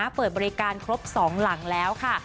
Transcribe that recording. เปิดบริการครบ๒หลังแล้วค่ะ